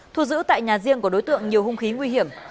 thu giữ tại nhà riêng của đối tượng nhiều hung khí nguy hiểm